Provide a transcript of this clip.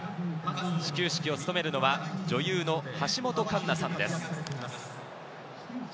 始球式を務めるのは女優の橋本環奈さんです。